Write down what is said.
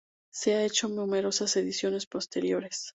Se han hecho numerosas ediciones posteriores.